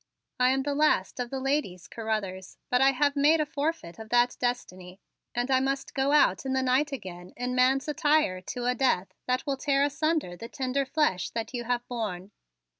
"I am the last of the ladies Carruthers but I have made a forfeit of that destiny and I must go out in the night again in man's attire to a death that will tear asunder the tender flesh that you have borne.